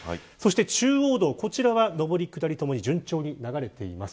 中央道は、上り下りともに順調に流れています。